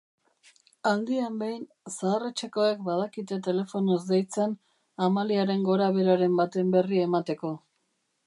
Aldian behin, zahar-etxekoek badakite telefonoz deitzen Amaliaren gorabeheraren baten berri emateko.